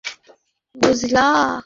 আমি তো তাদের একজনকে হত্যা করেছি।